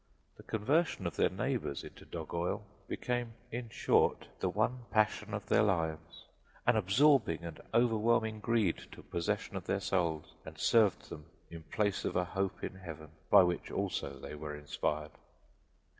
The conversion of their neighbors into dog oil became, in short, the one passion of their lives an absorbing and overwhelming greed took possession of their souls and served them in place of a hope in Heaven by which, also, they were inspired.